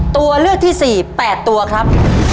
ตัวเลือกที่สี่แปดตัวครับ